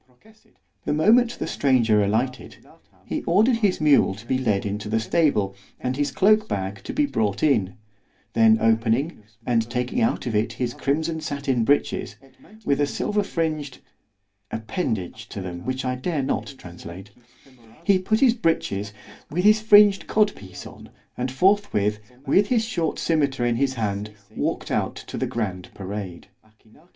The moment the stranger alighted, he ordered his mule to be led into the stable, and his cloak bag to be brought in; then opening, and taking out of it his crimson sattin breeches, with a silver fringed—(appendage to them, which I dare not translate)—he put his breeches, with his fringed cod piece on, and forth with, with his short scymetar in his hand, walked out to the grand parade.